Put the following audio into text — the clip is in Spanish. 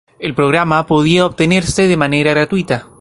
El programa podía obtenerse de manera gratuita.